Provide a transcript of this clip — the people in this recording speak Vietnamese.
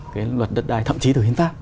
cái luật đất đai thậm chí từ hiến pháp